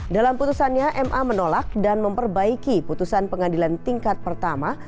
dalam putusannya ma menolak dan memperbaiki putusan pengadilan tingkat pertama